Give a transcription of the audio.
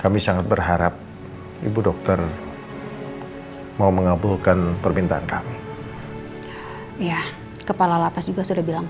kami sangat berharap ibu dokter mau mengabulkan permintaan kami ya kepala lapas juga sudah bilang